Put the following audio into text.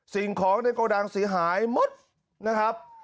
สิ่งของในโกดังเสียหายหมดนะครับ